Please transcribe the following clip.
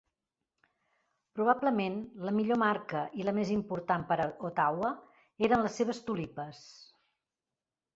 Probablement la millor marca i la més important per a Ottawa eren les seves tulipes.